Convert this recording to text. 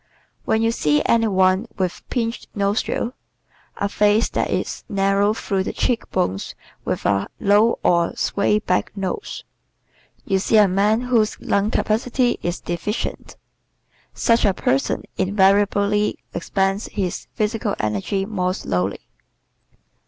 When you see any one with pinched nostrils, a face that is narrow through the cheek bones and a low or "sway back" nose, you see a man whose lung capacity is deficient. Such a person invariably expends his physical energy more slowly.